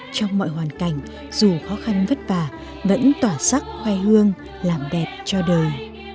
trong mọi hoàn cảnh dù khó khăn vất vả vẫn tỏa sắc khoe hương làm đẹp cho đời